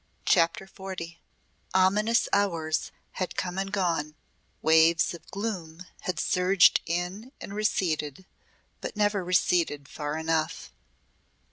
CHAPTER XL Ominous hours had come and gone; waves of gloom had surged in and receded, but never receded far enough.